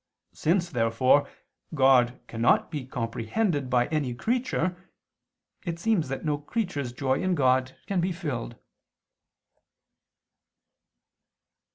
Since therefore God cannot be comprehended by any creature, it seems that no creature's joy in God can be filled.